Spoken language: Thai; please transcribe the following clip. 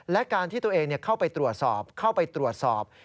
และการที่ตัวเองเข้าไปตรวจสอบ